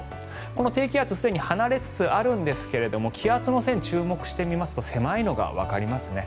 この低気圧はすでに離れつつあるんですが気圧の線、注目してみますと狭いのがわかりますね。